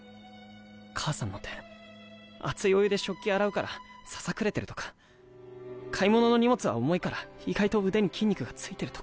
母さんの手熱いお湯で食器洗うからささくれてるとか買い物の荷物は重いから意外と腕に筋肉が付いてるとか。